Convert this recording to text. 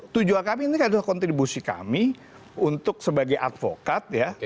tujuan kami ini adalah kontribusi kami untuk sebagai advokat ya